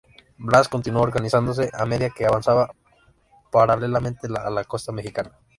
Blas continuó organizándose a medida que avanzaba paralelamente a la costa mexicana.